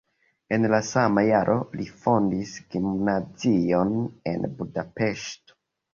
En la sama jaro li fondis gimnazion en Budapeŝto.